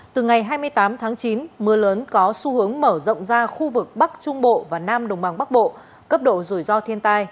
từ ngày hai mươi tám tháng chín mưa lớn có xu hướng mở rộng ra khu vực bắc trung bộ và nam đồng bằng bắc bộ cấp độ rủi ro thiên tai